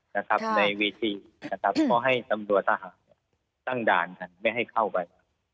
นะครับในเวทีนะครับเพราะให้สำรวจสหารตั้งด่านกันไม่ให้เข้าไป